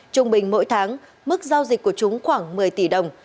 trung bình mỗi tháng mức giao dịch của chúng khoảng một mươi tỷ đồng